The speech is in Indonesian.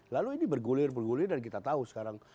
lalu ini bergulir bergulir dan kita tahu sekarang